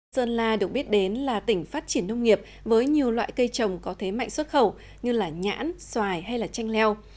sơn la được biết đến là tỉnh phát triển nông nghiệp với nhiều loại cây trồng có thế mạnh xuất khẩu như nhãn xoài hay chanh leo